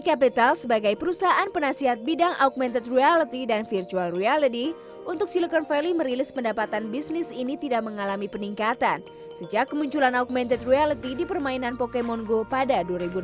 capital sebagai perusahaan penasihat bidang augmented reality dan virtual reality untuk silicon valley merilis pendapatan bisnis ini tidak mengalami peningkatan sejak kemunculan augmented reality di permainan pokemon go pada dua ribu enam belas